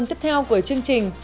ở phần tiếp theo của chương trình